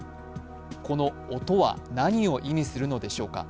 この音は何を意味するのでしょうか。